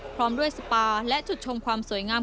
พร้อมด้วยสปาและจุดชมความสวยงาม